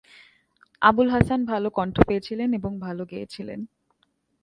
আবুল হাসান ভাল কন্ঠ পেয়েছিলেন এবং ভাল গেয়েছিলেন।